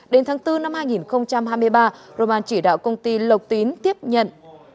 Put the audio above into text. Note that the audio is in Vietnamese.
đến tháng bốn năm hai nghìn hai mươi ba roman chỉ đạo công ty lộc tín tiếp nhận